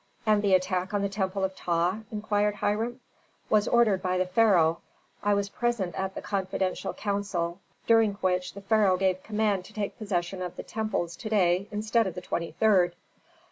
"And the attack on the temple of Ptah?" inquired Hiram. "Was ordered by the pharaoh. I was present at the confidential council, during which the pharaoh gave command to take possession of the temples to day instead of the 23d."